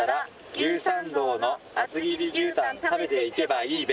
「牛参道の厚切り牛タン食べていけばいいべ！」